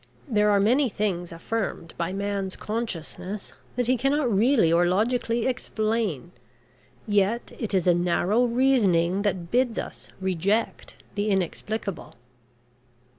There are many things affirmed by man's consciousness that he cannot really or logically explain. Yet it is a narrow reasoning that bids us reject the inexplicable."